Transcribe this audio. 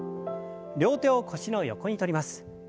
両手を腰の横にとります。